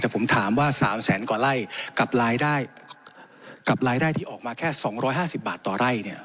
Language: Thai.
แต่ผมถามว่าสามแสนกว่าไร่กับรายได้กับรายได้ที่ออกมาแค่สองร้อยห้าสิบบาทต่อไร่เนี้ย